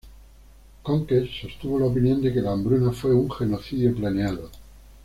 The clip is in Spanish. Conquest sostuvo la opinión de que la hambruna fue un genocidio planeado.